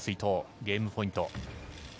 ゲームポイント。